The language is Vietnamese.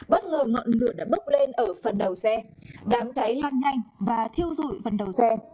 bất ngờ ngọn ngựa đã bốc lên ở phần đầu xe đáng cháy loạn nhanh và thiêu dội phần đầu xe